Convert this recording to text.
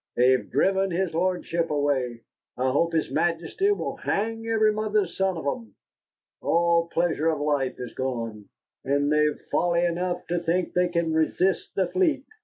"They've driven his Lordship away. I hope his Majesty will hang every mother's son of 'em. All pleasure of life is gone, and they've folly enough to think they can resist the fleet.